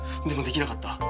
でもできなかった。